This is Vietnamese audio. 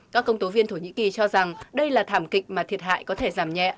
các công tố viên thổ nhĩ kỳ cho rằng đây là thảm kịch mà thiệt hại có thể giảm nhẹ